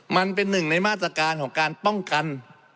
มันเป็นหนึ่งในมาตรการของการป้องกัน